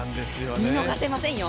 見逃せませんよ。